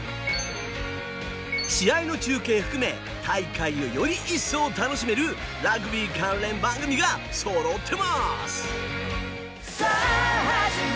試合の中継含め大会をより一層楽しめるラグビー関連番組がそろってます。